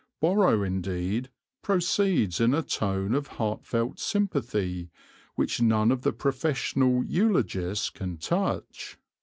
Borrow indeed proceeds in a tone of heartfelt sympathy which none of the professional eulogists can touch.